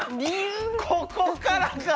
ここからか！